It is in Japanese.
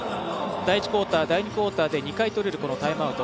第１クオーター、第２クオーターで４回取れるタイムアウト。